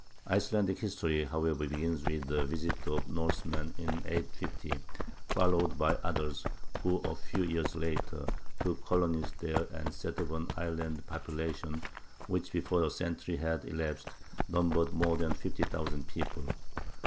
Icelandic history, however, begins with the visits of Norsemen in 850, followed by others, who, a few years later, took colonies there and set up an island population which before a century had elapsed numbered more than fifty thousand people.